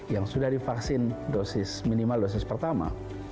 yang sudah divaksin dosis minimal dosis pertama